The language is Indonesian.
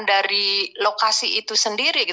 dari lokasi itu sendiri